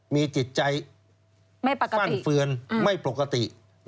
มีจิตใจฟั่นเฟือนไม่ปกติ